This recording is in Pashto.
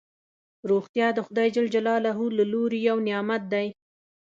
روغتیا دخدای ج له لوری یو نعمت دی